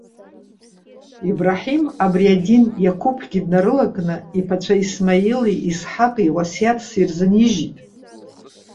Ибраҳим, абри адин Иақәыԥгьы днарылакны, иԥацәа Исмаили Исҳаҟи уасиаҭс ирзынижьит.